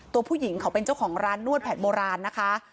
ตัวผู้หญิงเขาเป็นเจ้าของร้านนวดแผนโบราณนะคะ